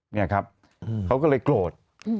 เนี่ยครับเขาก็เลยโกรธ